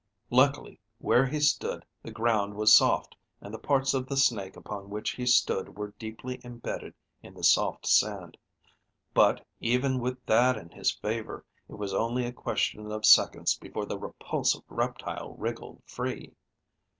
Luckily, where he stood the ground was soft, and the parts of the snake upon which he stood were deeply imbedded in the soft sand, but, even with that in his favor, it was only a question of seconds before the repulsive reptile wriggled free.